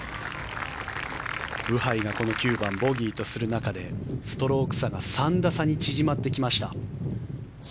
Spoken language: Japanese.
ブハイがこの９番ボギーとする中でストローク差が３打差に縮まってきました。